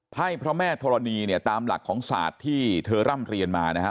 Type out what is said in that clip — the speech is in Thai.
พระแม่ธรณีเนี่ยตามหลักของศาสตร์ที่เธอร่ำเรียนมานะฮะ